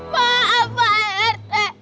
maaf pak rt